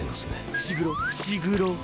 伏黒伏黒。